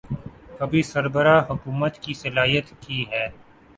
کمی سربراہ حکومت کی صلاحیت کی ہے۔